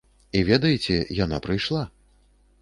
І ведаеце, яна прыйшла!